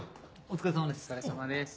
お疲れさまです。